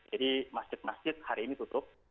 jadi masjid masjid hari ini tutup